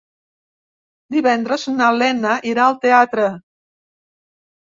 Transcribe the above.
Divendres na Lena irà al teatre.